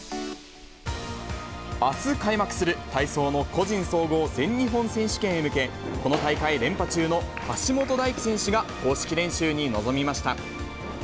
あす開幕する体操の個人総合全日本選手権へ向け、この大会連覇中の橋本大輝選手が公式練習に臨みました。